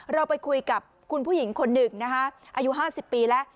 เราไปคุยกับคุณผู้หญิงคนหนึ่งนะคะอายุ๕๐ปีแล้ว